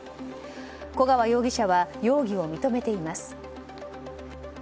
古川容疑者は容疑を認めています。